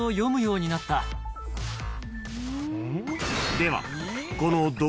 ［では］